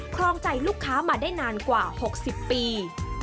ครองใจลูกค้ามาได้นานกว่า๖๐ปี